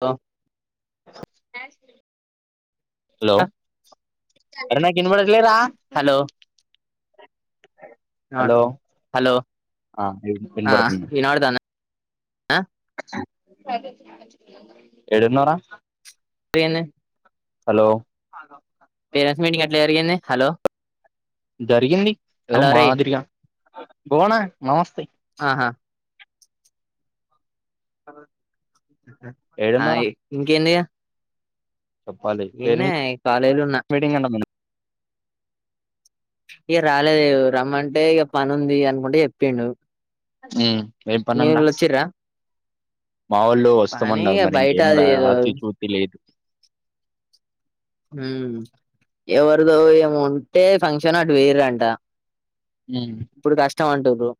త జయ హలో అరేయ్ నాకినబడట్లే రా హలో ఆ ఐనబడతాన్దా ఆ ఎడున్నూవ్ర టేను హలో పేరెంట్స్ మీటింగ్ అట్లా జరిగింది హలో జరిగింది హలో రేయ్ మాదిరిగా బోనా నమస్తే ఆహా అ ఆ ఏడున్నారా ఇంకేందిగా చెప్పాలి ఈడనే పేరెంట్స్ కాలేజ్లా ఉన్నా మీటింగ్ అంట ఇక రాలేదు రమ్మంటే ఇక పని ఉంది అనుకుంటే చెప్పిడు మ్మ్ వె పన్నంట మా వాళ్ళ పని వస్తామన్నారు ఇగ మరి బయట ఇంకేం అది రా ఏదో అతి చూతి లేదు మ్మహ్ ఎవరిదో ఏమి ఉంటే ఫంక్షన్ అటు పొయ్యిరంట ఉమ్ ఇప్పుడు కష్టం అంటుర్రు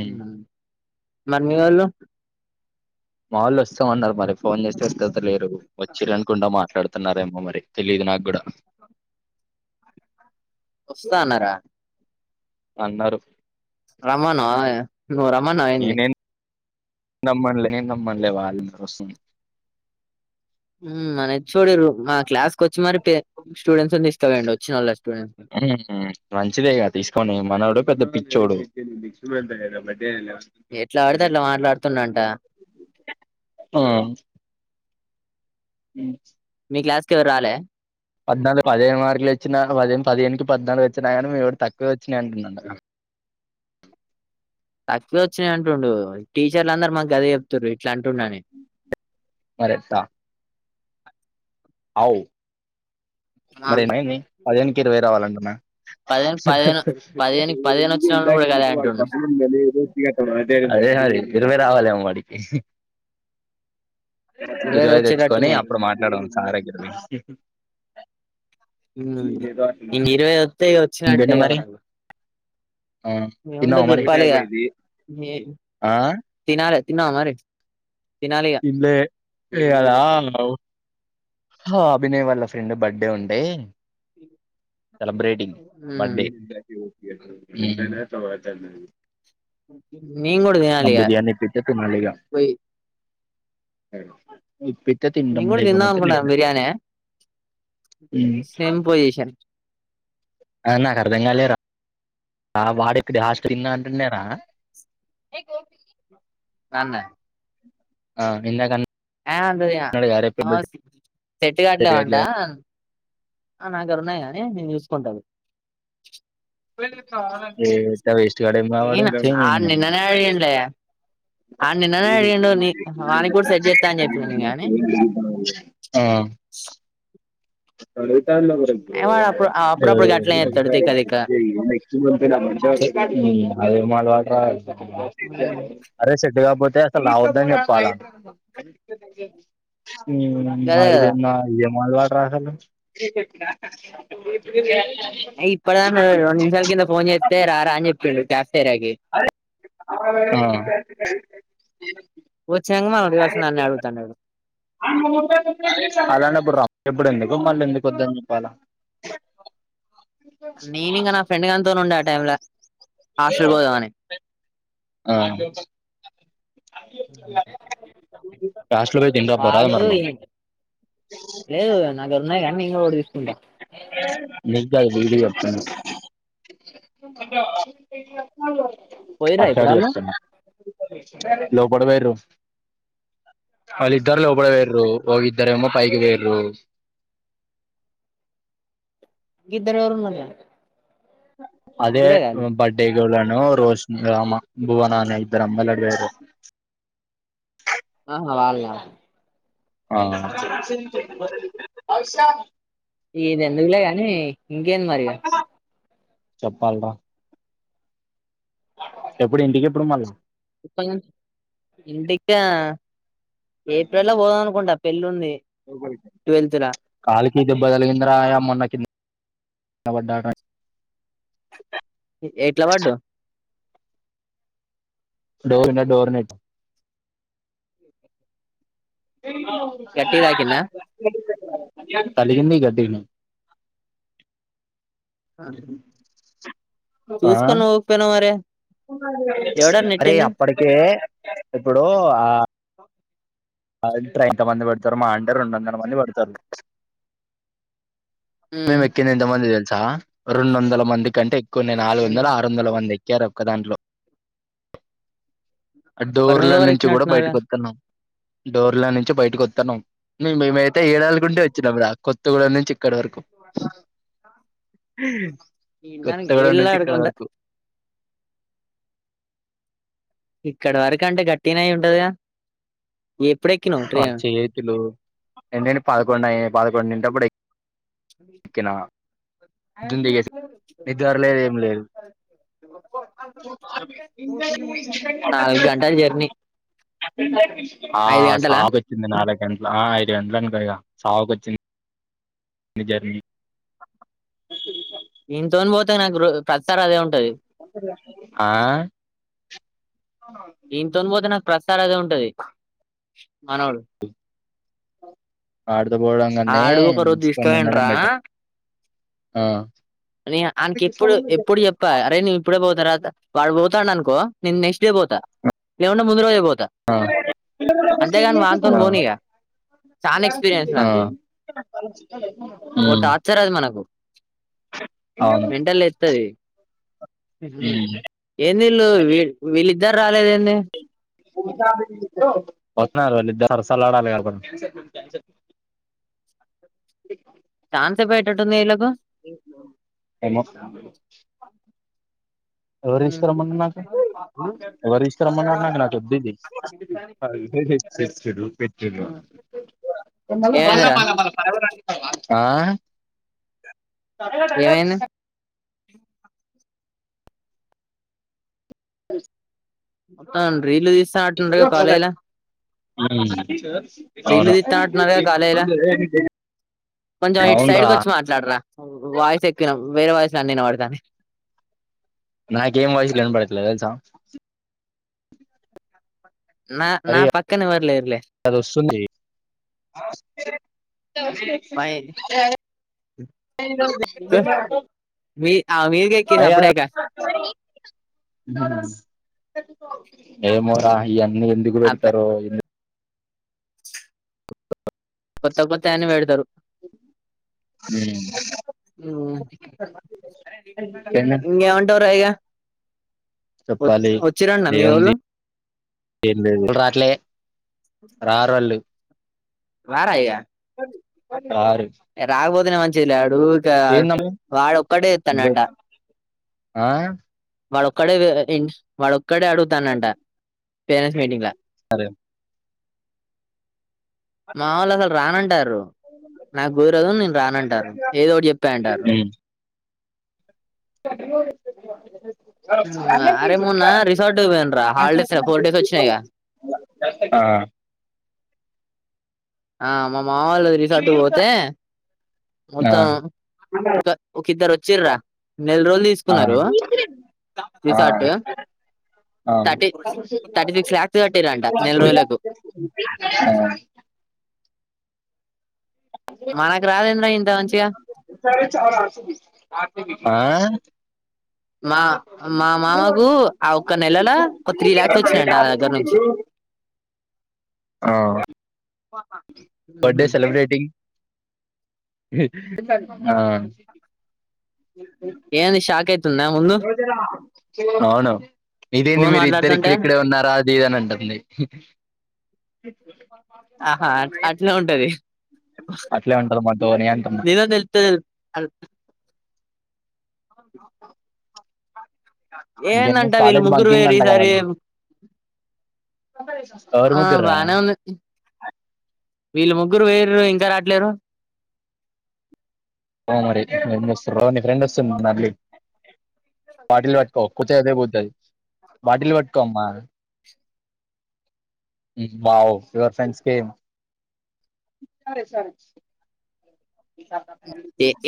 ఉమ్ మరి మీవోల్లు మా వాళ్ళు వస్తామన్నారు మరి ఫోన్ చేస్తే వస్త లేరు వచ్చిరనుకుంట మాట్లాడుతున్నారేమో మరి తెలిదు నాకు కూడా వస్తాన్నార అన్నారు రమ్మను నువ్ రమ్మన్నావా ఏందీ నమ్మనలే నమ్మనలే వాళ్లేందుకోస్తుర్రు మ్మహు మన హేచోడి రూమ్ మన క్లాస్ కొచ్చి మరి స్టూడెంట్స్ తీసుకవండి వచ్చిన వాళ్ళ స్టూడెంట్స్ హ్మ్ చ్చోడు ఎట్లా ఆడితే అట్ల మాట్లాడుతుండంటా మ్మ్ మీ క్లాస్కి ఎవరు రాలే పద్నాలు పది [inaudible] ఇదొచ్చినాక పది పదేనుకి పద్నాలుగు వచ్చినా కానీ మేము తక్ [unintelligible] వచ్చినాయి అంటున్న కదా తక్కువ వచ్చినాయి అంటుండు టీచర్లు అందరు మా గదే చెప్తుర్రి ఇట్లంటోడ్నని మరి ఎట్టా అవు మరి ఏమైంది. [unintelligible] రావాలంటున్నాడు [inaudible] పదిహేను పదిహేను పదిహేనుకి పదిహేను వచ్చిన వాళ్ళు కూడా గదే అంటుండు అదే మరి ఇరవై రావాలేమో వాడికి ఇరవై తెచ్చుకొని అప్పుడు మాట్లాడు [unintelligible] ఇంగ ఇరవై వత్తాయి ఇంకేంటి వచ్చినట్టేగా మరి మనకు ఆ తిన్నావా ఏముంటాయ్ మరి చెప్పాలిగా ఆ తినాలి తిన్నావ మరి తినాలి ఇక [unintelligible] ఈయాల అభినయ వాళ్ళ ఫ్రెండ్ బర్త్డే ఉండే సెలబ్రేటింగ్ బర్డే మ్మ్ మేం కూడా తినాలి ఇగ పోయి అ ఉప్పితే తింటాం నేను కూడా తిందాం లేకపోతే లేదు అనుకుంటాను బిర్యానీ సేమ్ పొజిషన్ ఆ నాకు అర్ధం కాలేరా ఆ వాడెక్కడ హాస్టల్లో అంటుండే ఆ అన్నా ఆ ఇందాకన్ ఏమంటుంది ఇగ [unintelligible] చెట్టు కావట్లేవంట ఆ న దగ్గర ఉన్నాయి గానీ నేను చూసుకుంటాను ఏటా వేస్ట్ గాడు ఏమో వాడు ఛీ ఆ నిన్ననే అయిండే కూడా సెట్ చేత్తా అని చెప్పిన నేను గాని ఆ సరే అరే వాడు అప్పుడు అప్పుడప్పుడు గట్లనే చేత్తాడు తిక్క తిక్క సెట్ కాపోతే అసలు రావద్దని చెప్పాలా గదే కదా [unintelligible] మల్లా ప్రహలు ఏహే ఇప్పటిదాకా [unintelligible] రెండు నిముషాల కింద ఫోన్ చేస్తే రా రా అని చెప్పి వచ్చినంగా మల్ల అడగాల్సిన వన్ని అడుగుతున్నాడు. రమ్మంట్టుంది కొద్దని చెప్పాల నేనింకా నా ఫ్రెండ్ గానితో ఉండే ఆ టైమ్ లో హాస్టల్ పోదామని లాస్ట్ లో పోయి తిని రాబోరాదు వాడు మరి నువ్వు ఏం లేదు వాన్ నాకాడ ఉన్నయ్ కానీ ఇంకా ఒకటి తీసుకుంటా నీక్ కాదు గుడికి చెప్తాను చెప్పేవా పోయిర్రా ఇప్పుడు అట్టడి వాళ్ళు వస్తున్న లోపడ పోయిండ్రు ఆళ ఇద్దరలో ఒకడే రోపో ఇద్దరేమో పైకి పోయిండ్రు గిద్దలెవరు మల్ల అదే బర్డే గూడ నో రోషన్, రామ, భువనా అనే ఇద్దరమ్మాయిలు అటువైపు ఆ వాళ్ళ ఆ ఇది ఎందుకులే గాని ఇంకేంది మరిక చెప్పాల్ రా ఎప్పుడు ఇంటికి ఎప్పుడు మళ్ళ ఇంటికా ఏప్రిల్ లో పోదం అనుకుంటా పెళ్లుంది కాలికి దెబ్బ తలిగిందిరా ఆ మొన్న కింద లవడ్డా రాయ్ ఎట్ల పడ్డవ్ డోరుండా డోర్ నెట్ గట్టిగ తాక్కిన్న తలిగింది గట్టిగనే అన్ని ఆ ఎవడరు అరే నెట్టింది అప్పటికే ఇప్పుడు ఆ ఆడిట్రో ఎంత మంది పడతారు మహా అంటే రెండు వందల మంది పడతారు. ఉమ్ మేము ఎక్కిండేంతమంది తెల్సా రెండు వందల మంది కంటే కొన్ని నాలుగు వందల ఆరు వందల మంది ఎక్కారు ఒక దాంట్లో అ ఒకరి డోర్ల మీద ఒకరు నుంచి కూడా ఎక్కినట్టున్నారుగా బయటికి వతున్నాం డోర్ల నుంచి బయటకు వస్తాను మేమైతే ఏడాలకుంటే వచ్చినాం రాకు కొత్త కూడా నుంచి ఇక్కడ వరకు ఈడదానికి కొత్తగూడెం ఏళ్ళు నుంచి ఇక్కడ ఆడుకుంటా వరకు ఇక్కడ వరకంటే గట్టిన అయి ఉంటదిగా ఎప్పుడెక్కినవ్ ట్రైన్ ఏంటంటడి పదకొండు అయ పదకొండుంటప్పుడు ఎక్కినా నిదిరలేదు ఏం లేదు నాలుగు గంటల జర్నీ ఐదు ఆ గంటలా సాపచ్చింది నా ఎ ఆ ఐదు ఎంటల అనుకాక సావుక వచ్చింది అ జర్నీ ఇంతోనిపోతే నాకు ప్రతి ఆ ఈంతోన్ పోతే నాక్ ప్రత్సరాదే ఉంటది మనోడు ఆడు ఆడు ఒక రోజు తీస్కబోయినడ్రా బెటర్ ఆ న ఆయనకి ఎప్పుడు ఎప్పుడు చెప్ప అరే నువ్వు ఇప్పుడే పోతారా వాడు పోతాడు అనుకో నేనను నెక్స్ట్ డే పోతా లేకుంటే ముందు రోజే పోతా ఆ అంతేగాని వానితో పోనీగా ఆ ఆ ఉమ్ ఒటర్చర్ అది మనకు అవును మెంటల్ లేస్తది ఎంధీల్లు వి విల్లాధ ఇద్దరు రాలేదు దే వస్తున్నారు వాళ్ళిద్ద సరసలుడాలి కక చానసేపు అయ్యేటట్టుందీళ్లకు ఏమో ఎవర్తీష్కారమ్మరు నాకు ఎవర్తీష్కారమ్మన్నారు నాక్ ఒద్దు ఇది ఏమైందిరా ఆ న నల ఏమైంది అ మొత్తం రీళ్ళు తీస్ స్తా అంటుండగా కాలేజీల ఉమ్ రిల్లు తిత్తానటున్నరు కదా కాలేజీల, కొంచెం ఇటు సైడ్కి అవునురా వచ్చి మాట్లాడరా, వాయిస్ ఎక్కువిన వేరే వాయిస్లన్నీ ఇనబడుతానయ్. నాకేం వాయిసులు వినబడట్లే తెలుసా నా నా పక్కనేవర్ లేరు. అదొస్తుంది పై మీ ఆ మీదికి ఎక్కేసి అయ్యా అప్పుడేక ఏమో దాహిఎన్ ము ఎందుకు అబ్బా పెడతరో ఎందు కొత్త కొత్తయన్నీ పెడతారు. ఎందుకు ఉమ్ ఇంగేమంటవ్ రా ఇగ చెప్పాలి వచ్చిరన్న మీ ఏముంది? వోళ్ళు ఏం లేదు. రారా ఇగ రారు ఏ రాక్పోతనే మంచి జి లా ఇప్పుడూ ఛాన్స్ ఏందమ్మ వాడొక్కడే నువ్వే ఎత్తాండంట. ఆ వాడోక్కడే వే ఇన్స్ క్కడే అడుగుతాండంట పేరంట్స్ మీటింగ్ ల అరే మా వాళ్లసలు రానంటారు రు నాగురరదు నేను రానంటార్రు, ఏదో ఒకటి చెప్తా అంటార్రు. [inaudible] అరే మొన్న రిసార్ట్ పోయిన రా హాలిడేస్ ఫోర్ డేస్ వచ్చినాయిగా ఆ ఆ మం మా వొళ్ళది రిసార్ట్ కు పోతే ఆ మొత్తం ఒక ఒక ఇద్దరు వచ్చిర్రా, నెల రోజులు ఆ తీసుకున్నారు ఆ రిసార్ట్, ఆ థర్టీ థర్టీ సిక్స్ లాక్స్ కట్టిర్రంట నెల రోజులకు. మనకు రాదేంద్రా ఇంత మంచిగా మా మా మామకు ఆ ఒక్క నెలల ఒక త్రీ ల్యాక్స్ వచ్చినాయంట ఆళ్ళ దగ్గర నుంచి ఆ ఆహా బర్డే సెలిబ్రేటింగ్ హ ఏన్ శాఖయితే రోజనమా అవును ఇదేంది ఫోన్ మీరు ఇద్దరు ఇక్కడ మాట్లాడుతుంటే ఇక్కడే ఉన్నారా అది ఇద అని అంటుంది ఆహా అట్లే ఉంటది అట్లే ఉంటది మాతోని అంటున్నా నిజం తెలుత్తే తెలు అవు అ ఏదంట వీళ్ళు ముగ్గురు బంకింగ్ వేరు అంట కదా ఈసారి వాళ్ళు ఎవరు ఆ ముగ్గుర్రా బానే ఉంది వీళ్ళ ముగ్గురు వేరురు ఇంకా రాట్లేరు మరి ఫ్రెండ్ వస్తుంది ని ఫ్రెండ్ వస్తుంది మళ్ళీ బాటిల్ పట్టుకో కుదే అదే పోతుంది బాటిల్ పట్టుకోమ్మా వావ్ యువర్ ఫ్రెండ్స్ కేం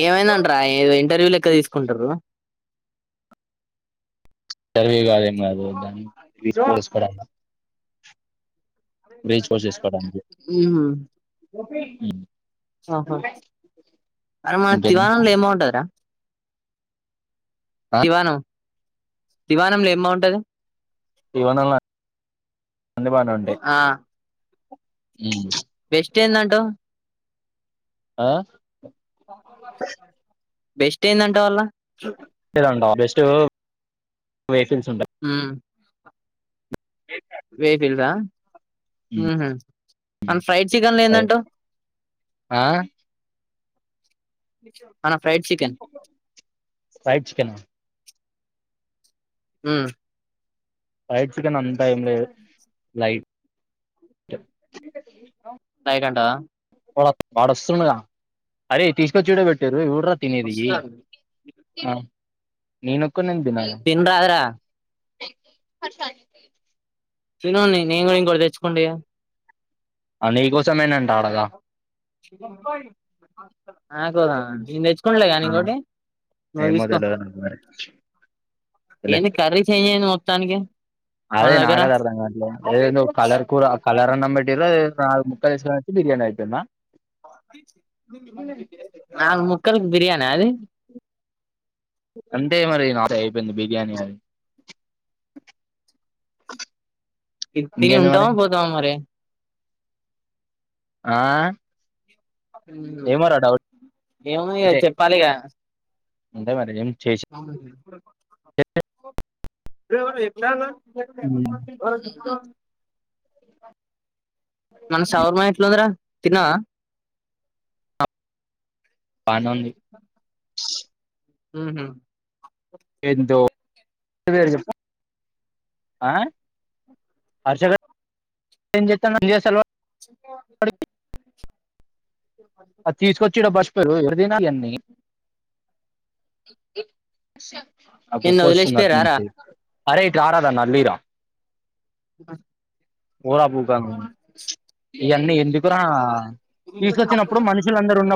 ఏమైందంట్రా ఇంటర్వ్యూ ఇ తీసుకుంటారు సరవి కాదం [unintelligible] కుంగా చేసుకోవడానికి మ్మహ్ మ్మహ్ ఆహో మర మన ఇంకేంది తివానల ఎం బావుంటదిరా ఆ దివాను దివానంలో ఎం బాగుంటది ఈవనంలో అన్ని బానే ఉంటాయి ఆ ఉ బెస్ట్ ఎందంటావ్ ఆ కొ బెస్ట్ ఏయిందంటే వాళ్ళ ఇదంటా బెస్ట్ వేఫల్స్ ఉంట వేపిల్స్ ఆ మ్మహు మన ఫ్రైడ్ చికెన్లో అదే ఎందంటావ్ ఆ హనా ఫ్రైడ్ చికెనా మ్మ్ ఫ్రైడ్ కనీ అంతా ఏమి లేదు, లైట్ లైట్ అంటవా వాడు వాడ వస్తుండగా అరే తీసుకొచ్చిడ పెట్టిర్రు యు వర్రా తినేదియి వస్తాడు నేను తిన్ రాదరా ర్సా తినోండి నేను కూడా ఇంకోటీ తెచ్చుకుంట ఇగా అ నీకోస్ ఇగ [unintelligible] ఆ ఇంకోటి నువ్వు ఏమో తీసుకో దేల్వదు నాకు మరీ, ఏంది కర్రీ చేంజ్ అయింది మొత్తానికి మన అదే దగ్గర నాగద అర్ధం కట్లే అదేందో కలర్ కూర కలర్ అన్నం పెట్టిర్రో ఏందో నాలుగు ముక్కల్ ఎస్కు బిర్యానీ అయిపొందా ఆ ముక్కనకి బిర్యానీ ఆ అది అంటే మరి నాట అయిపోయింది బిర్యానీ అది ఇది తిని ఇంకేంది మరి ఉంటావా పోతావా మరి ఆ ఏమోరా డౌట్ ఏమొ ఇగ చెప్పాలిగ ఉంటా మరి ఇగ ఏం చేసి అ బ్రో ఎట్లాగ మన సౌరమ ఎట్లుందిరా తిన్నవా బానేఉంది మ్మహ్ ఎంతో [unintelligible] చెప్పు, ఆ హర్ష గాడ్ ఏం చెత్తండ్, ఏం జెసల్ వాల్ ఆ తీసుకొచ్చి ఇడ బస్ [unintelligible] ఎన్ని అప్పుడు నిన్ను కోసిల అట్నే వదిలేసిపోయారా జెప్పింది అరే [unintelligible] మ్మ్ పోరా [unintelligible] ఇయన్నీ ఎందుకురా ఇప్పుడు మనుషులందరు ఉన్నప్